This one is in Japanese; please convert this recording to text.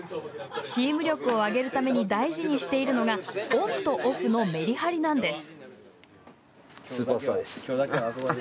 チーム力を上げるために大事にしているのがオンとオフのめり張りなんです。